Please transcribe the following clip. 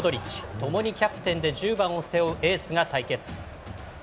共にキャプテンで１０番を背負うエースが対決。